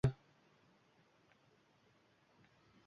virusining odamlar ongida o‘rnashishi